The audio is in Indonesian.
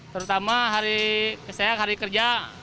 terutama hari saya hari kerja